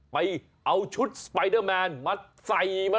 ไปเอาชุดสไปเดอร์แมนมาใส่มัน